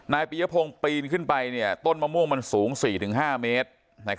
นายปริยพงศ์ปีนขึ้นไปเนี่ยต้นมะม่วงมันสูง๔๕เมตร